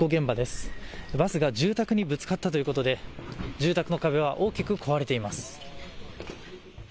バスが住宅にぶつかったということで住宅の壁は大きく壊れています。